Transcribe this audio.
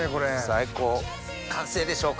最高完成でしょうか？